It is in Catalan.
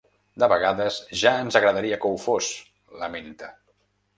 De vegades ja ens agradaria que ho fos, lamenta.